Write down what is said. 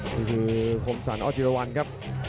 นี่คือคมสัตว์อ้อจิรวันครับ